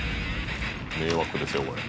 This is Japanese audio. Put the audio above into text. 迷惑ですよこれ。